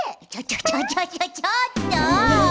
ちょちょちょちょっと！